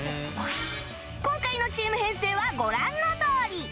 今回のチーム編成はご覧のとおり